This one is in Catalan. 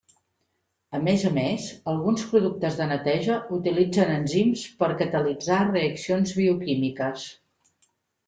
A més a més, alguns productes de neteja utilitzen enzims per a catalitzar reaccions bioquímiques.